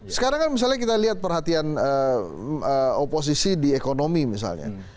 sekarang kan misalnya kita lihat perhatian oposisi di ekonomi misalnya